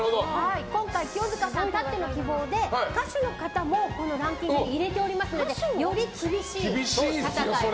今回、清塚さんたっての希望で歌手の方もこのランキングに入れておりますのでより厳しい方が。